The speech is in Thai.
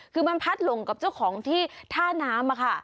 คือมันพัดหลงกับเจ้าของที่ท่าน้ำ